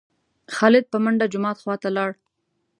خالد په منډه جومات خوا ته لاړ.